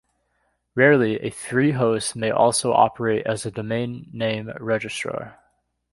Rarely, a free host may also operate as a domain name registrar.